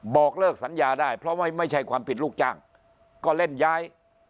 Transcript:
บอกเลิกสัญญาได้เพราะว่าไม่ใช่ความผิดลูกจ้างก็เล่นย้าย